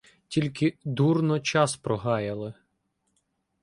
Тільки дурно час прогаяли.